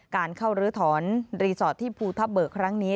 การเข้าลื้อถอนรีสอร์ทที่ภูทับเบิกครั้งนี้